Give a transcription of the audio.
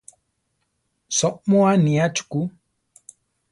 Soʼmúa aniá chukú.